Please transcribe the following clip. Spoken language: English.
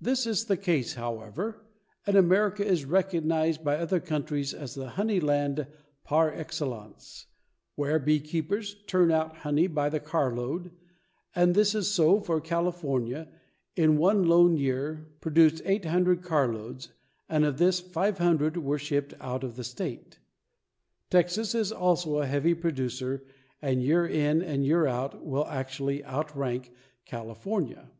This is the case, however, and America is recognized by other countries as the honey land par excellence, where beekeepers turn out honey by the carload and this is so, for California, in one lone year, produced 800 carloads, and of this 500 were shipped out of the state. Texas is also a heavy producer and year in and year out will actually outrank California.